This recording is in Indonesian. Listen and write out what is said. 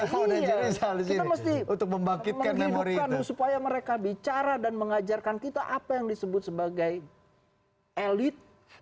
kita mesti menghidupkan supaya mereka bicara dan mengajarkan kita apa yang disebut sebagai elit